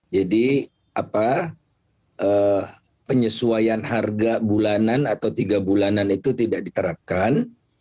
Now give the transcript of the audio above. jadi penyesuaian harga bulanan atau tiga bulanan itu tidak diterapkan